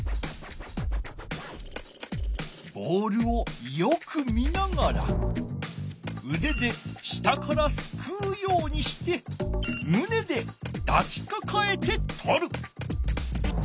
ボールをよく見ながらうでで下からすくうようにしてむねでだきかかえてとる。